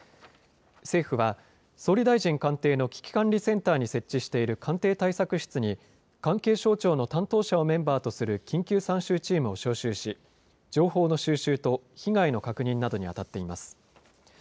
政府は総理大臣官邸の危機管理センターに設置している官邸対策室に関係省庁の担当者をメンバーとする緊急参集チームを招集し情報の収集と被害の確認などに当たっています。